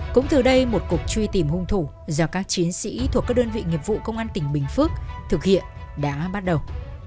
cũng từ đây một cuộc truy tìm hung thủ do các chiến sĩ thuộc các đơn vị nghiệp vụ công an tỉnh bình phước thực hiện đã bắt đầu